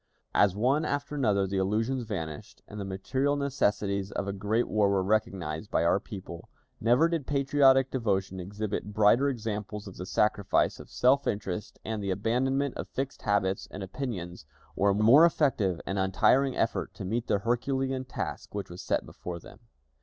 As one after another the illusions vanished, and the material necessities of a great war were recognized by our people, never did patriotic devotion exhibit brighter examples of the sacrifice of self interest and the abandonment of fixed habits and opinions, or more effective and untiring effort to meet the herculean task which was set before them.